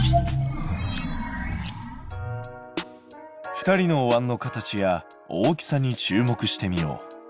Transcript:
２人のおわんの形や大きさに注目してみよう。